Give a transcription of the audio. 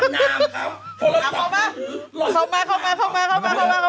ก็กัดน้ำครับเข้ามาเข้ามาเข้ามาเข้ามาเข้ามาเข้ามา